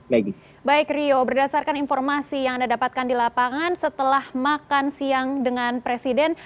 baik rio berdasarkan informasi yang anda dapatkan di lapangan setelah makan siang dengan presiden